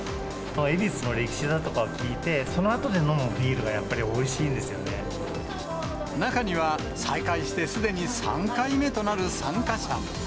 ヱビスの歴史だとかを聞いて、そのあとに飲むビールがやっぱり中には、再開してすでに３回目となる参加者も。